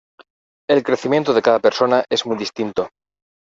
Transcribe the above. El crecimiento de cada persona es muy distinto